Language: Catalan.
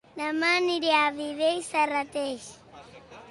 Dema aniré a Viver i Serrateix